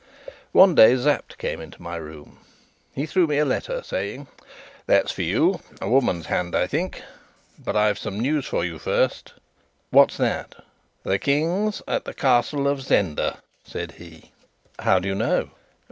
One day Sapt came into my room. He threw me a letter, saying: "That's for you a woman's hand, I think. But I've some news for you first." "What's that?" "The King's at the Castle of Zenda," said he. "How do you know?"